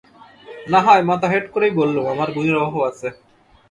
নাহয় মাথা হেঁট করেই বললুম আমার গুণের অভাব আছে।